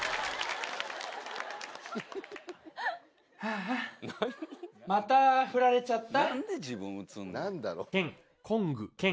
「ああまたふられちゃった」。